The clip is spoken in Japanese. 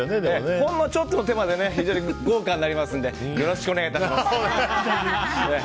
ほんのちょっとの手間で非常に豪華になりますのでよろしくお願いいたします。